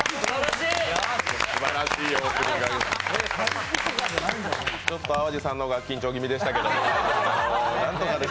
ちょっと淡路さんの方が緊張気味でしたけど。